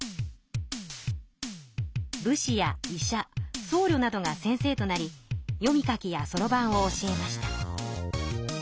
武士や医者そうりょなどが先生となり読み書きやそろばんを教えました。